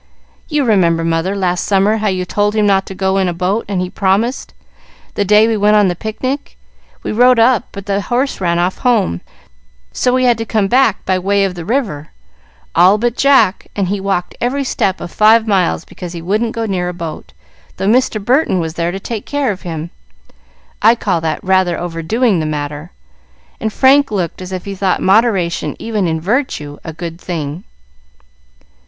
You remember, mother, last summer, how you told him not to go in a boat and he promised, the day we went on the picnic. We rode up, but the horse ran off home, so we had to come back by way of the river, all but Jack, and he walked every step of five miles because he wouldn't go near a boat, though Mr. Burton was there to take care of him. I call that rather overdoing the matter;" and Frank looked as if he thought moderation even in virtue a good thing.